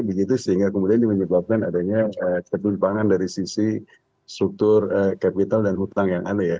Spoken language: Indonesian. begitu sehingga kemudian ini menyebabkan adanya ketimpangan dari sisi struktur capital dan utang yang aneh ya